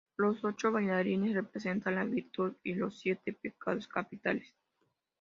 Los ocho bailarines representan la virtud y los siete pecados capitales.